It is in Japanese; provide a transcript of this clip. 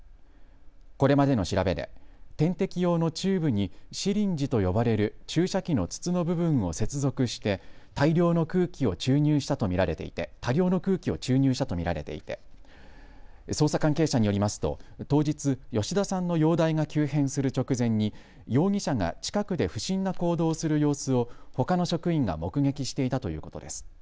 これまでの調べで点滴用のチューブにシリンジと呼ばれる注射器の筒の部分を接続して多量の空気を注入したと見られていて捜査関係者によりますと当日、吉田さんの容体が急変する直前に容疑者が近くで不審な行動をする様子をほかの職員が目撃していたということです。